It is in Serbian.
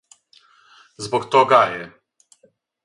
Због тога је.